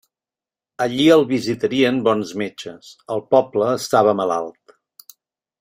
Allí el visitarien bons metges: el pobre estava malalt.